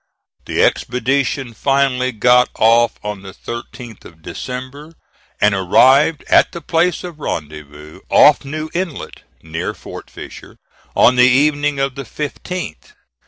The expedition finally got off on the 13th of December, and arrived at the place of rendezvous, off New Inlet, near Fort Fisher, on the evening of the 15th.